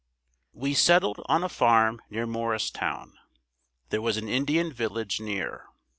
We settled on a farm near Morristown. There was an Indian village near.